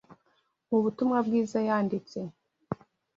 Mu Butumwa Bwiza yanditse